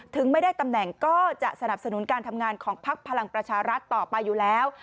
ถึงไม่ได้ตำแหน่งก็จะสนับสนุนการทำงานของพักพลังประชารัฐต่อไปอยู่แล้ว